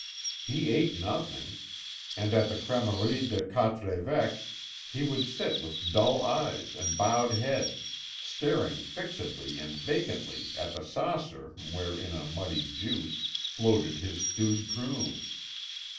He ate nothing, and at the Crèmerie des Quatre Évêques he would sit with dull eyes and bowed head, staring fixedly and vacantly at the saucer where, in a muddy juice, floated his stewed prunes.